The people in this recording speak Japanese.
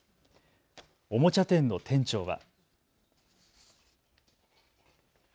おもちゃ店の店長は。